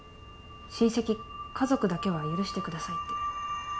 「親戚家族だけは許してください」って。